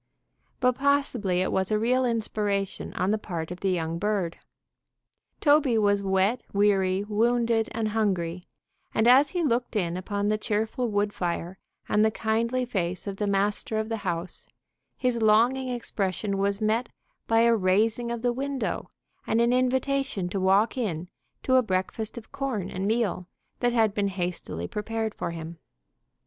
But possibly it was a real inspiration on the part of the young bird. Toby was wet, weary, wounded and hungry, and as he looked in upon the cheerful wood fire and the kindly face of the master of the house, his longing expression was met by a raising of the window and an invitation to walk in to a breakfast of corn and meal that had been hastily prepared for him.